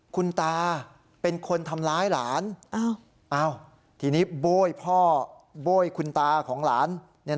คุณตาเป็นคนทำร้ายหลานทีนี้โบ้ยพ่อโบ้ยคุณตาของหลาน